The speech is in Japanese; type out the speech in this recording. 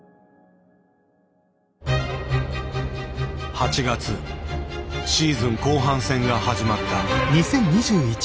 ８月シーズン後半戦が始まった。